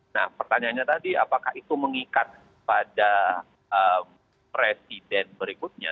nah pertanyaannya tadi apakah itu mengikat pada presiden berikutnya